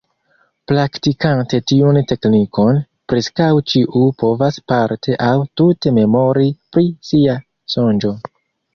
Praktikante tiun teknikon, preskaŭ ĉiu povas parte aŭ tute memori pri sia sonĝo.